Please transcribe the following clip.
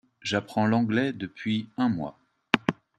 J'apprends l'anglais depuis un mois.